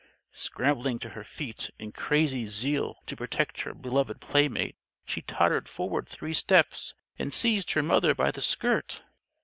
Scrambling to her feet, in crazy zeal to protect her beloved playmate, she tottered forward three steps, and seized her mother by the skirt.